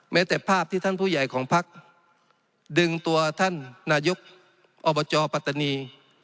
แม้แต่ภาพที่ท่านผู้ใหญ่ของพักดึงตัวท่านนายกอบจปัตตานี